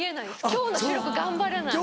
今日の収録頑張れない。